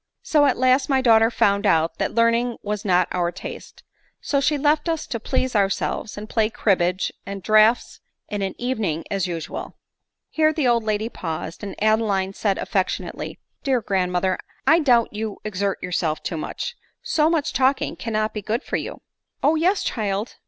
So at last my daughter found out that learn ing was not our taste ; so she left us to please ourselves, and play cribbage and draughts in an evening as usual." I Here the old lady paused, and Adeline said affection ately, " dear grandmother, I doubt you exert yourself too much ; so much talking cannot be good for you.' 9 i " O yes, child